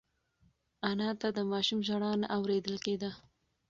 انا ته د ماشوم ژړا نه اورېدل کېده.